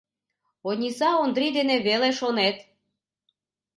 Ониса Ондрий дене веле, шонет.